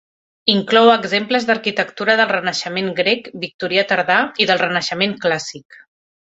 Inclou exemples d'arquitectura del Renaixement Grec, Victorià tardà i del Renaixement Clàssic.